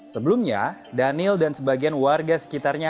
sebelumnya daniel dan sebagian warga sekitarnya